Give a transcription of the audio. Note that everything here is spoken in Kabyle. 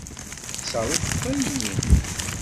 Yexṣer ukeffay-nni.